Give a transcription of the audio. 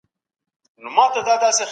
ښوونځی د فکر د پراختیا زمینه برابروي.